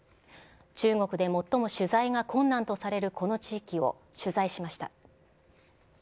中国で最も取材が困難とされるこの地域を取材しました。